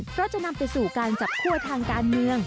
เพราะจะนำไปสู่การจับคั่วทางการเมือง